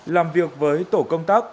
làm việc với tổ công tác